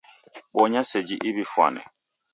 Bonya seji Iw'ifwane